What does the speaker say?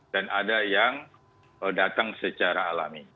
dan ada yang datang secara alami